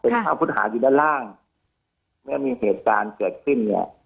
เป็นภาพพุทธหาอยู่ด้านล่างเมื่อมีเหตุการณ์เกิดขึ้นเนี่ย